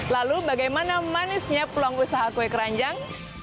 lalu bagaimana manisnya peluang usaha kue keranjang